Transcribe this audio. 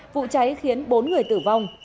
vụ cháy khiến bốn người tử vong